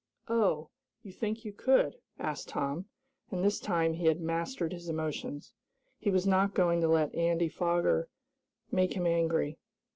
"Oh, you think you could?" asked Tom, and this time he had mastered his emotions. He was not going to let Andy Foger make him angry.